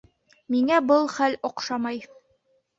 Миңә был хәл оҡшамай.